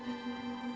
setiap senulun buat